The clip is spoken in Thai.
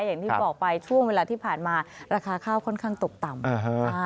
อย่างที่บอกไปช่วงเวลาที่ผ่านมาราคาข้าวค่อนข้างตกต่ำ